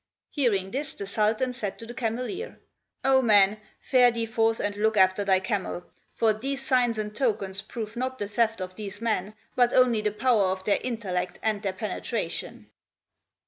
Hearing this the Sultan said to the Cameleer, "O man, fare thee forth and look after thy camel; for these signs and tokens prove not the theft of these men, but only the power of their intellect and their penetration."